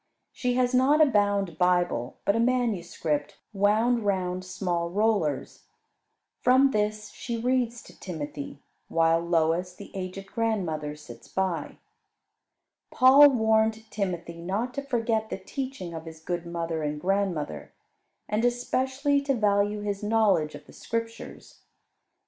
She has not a bound Bible, but a manuscript, wound round small rollers. From this she reads to Timothy; while Lois, the aged grandmother, sits by. Paul warned Timothy not to forget the teaching of his good mother and grandmother; and especially to value his knowledge of the Scriptures.